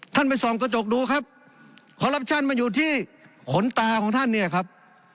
ไปส่องกระจกดูครับคอลลับชั่นมาอยู่ที่ขนตาของท่านเนี่ยครับ